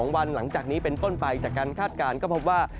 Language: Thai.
วันหลังจากนี้เป็นต้นไปจากการคาดการณ์ก็พบว่า